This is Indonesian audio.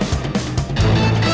lo sudah bisa berhenti